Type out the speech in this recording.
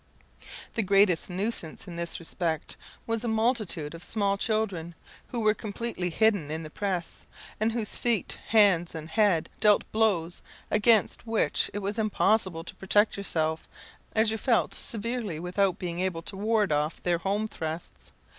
The greatest nuisance in this respect was a multitude of small children, who were completely hidden in the press, and whose feet, hands, and head, dealt blows, against which it was impossible to protect yourself, as you felt severely without being able to ward off their home thrusts.